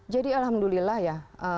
jadi alhamdulillah ya